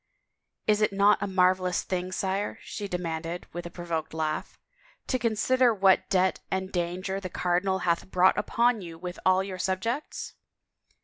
" Is it not a marvelous thing, sire," she demanded with a provoked laugh, "to consider what debt and danger the cardinal hath brought upon you with all your sub jects?"